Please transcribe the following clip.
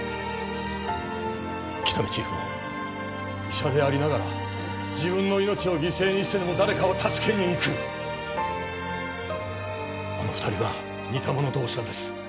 喜多見チーフも医者でありながら自分の命を犠牲にしてでも誰かを助けに行くあの２人は似たもの同士なんです